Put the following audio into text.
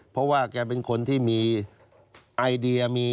เพราะว่าแกเป็นคนที่มีไอเดีย